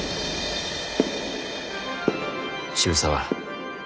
渋沢